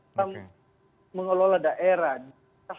untuk mengelola daerah